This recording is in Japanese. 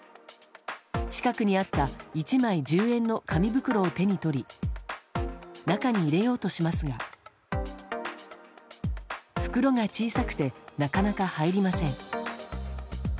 近くにあった１枚１０円の紙袋を手に取り中に入れようとしますが袋が小さくてなかなか入りません。